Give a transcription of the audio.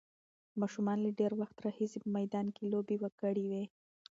ماشومانو له ډېر وخت راهیسې په میدان کې لوبې کړې وې.